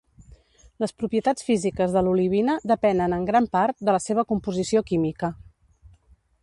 Les propietats físiques de l'olivina depenen, en gran part, de la seva composició química.